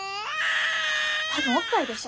多分おっぱいでしょ。